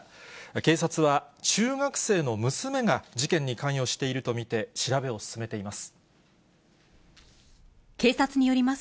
警察は、中学生の娘が事件に関与していると見て調べを進めています。